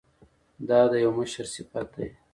دا د یو مشر صفت دی.